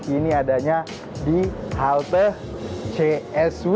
ini adanya di halte csw